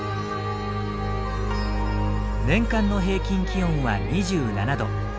年間の平均気温は２７度。